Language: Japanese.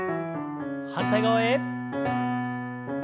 反対側へ。